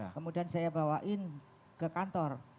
kemudian saya bawain ke kantor